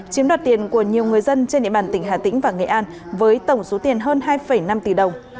chiếm đoạt tiền của nhiều người dân trên địa bàn tỉnh hà tĩnh và nghệ an với tổng số tiền hơn hai năm tỷ đồng